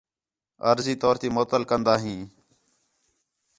عارضی طور تی معطل کندا ہیں